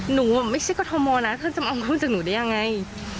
หนูไม่ใช่กรทมนะท่านจะเอาหุ้นจากหนูได้ยังไง